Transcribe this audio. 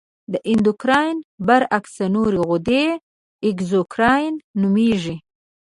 د اندورکراین برعکس نورې غدې اګزوکراین نومیږي.